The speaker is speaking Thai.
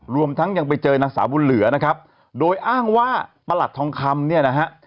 รวมทั้งยังไปเจอนางสาวบุญเหลือนะครับโดยอ้างว่าประหลัดทองคำเนี่ยนะฮะ